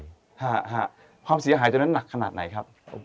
ค่ะความเสียหายตรงนั้นหนักขนาดไหนครับ